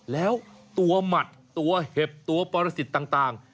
แล้วตัวหมัดตัวเห็บตัวปรสิทธิ์ต่าง